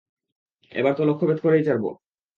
এবার তো লক্ষ্যভেদ করেই ছাড়ব!